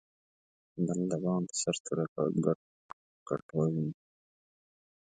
بل د بام په سر توره کټوه ویني.